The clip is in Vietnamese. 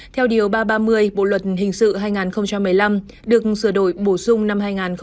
theo điều ba trăm ba mươi bộ luật hình sự hai nghìn một mươi năm được sửa đổi bổ sung năm hai nghìn một mươi bảy